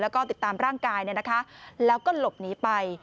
แล้วก็ติดตามร่างกายเนี่ยนะคะแล้วก็หลบหนีไป